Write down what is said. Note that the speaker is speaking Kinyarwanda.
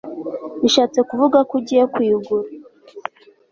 Bishatse kuvuga ko ugiye kuyigura